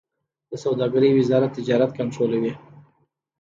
د سوداګرۍ وزارت تجارت کنټرولوي